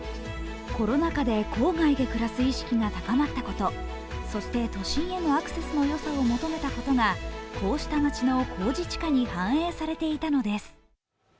コロナ禍で郊外で暮らす意識が高まったことそして都心へのアクセスのよさを求めたことが、こうした街の公示地価に反映されていたのです。